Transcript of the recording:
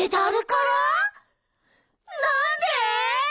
なんで！？